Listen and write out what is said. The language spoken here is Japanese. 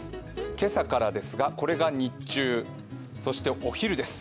今朝からですが、これが日中、そしてお昼です。